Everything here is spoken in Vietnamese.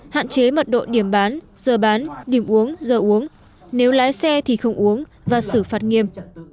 hạn chế mật độ điểm bán giờ bán điểm uống giờ uống nếu lái xe thì không uống và xử phạt nghiêm